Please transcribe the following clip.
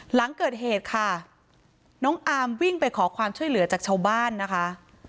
หลังเกิดเหตุค่ะน้องอาร์มวิ่งไปขอความช่วยเหลือจากชาวบ้านนะคะ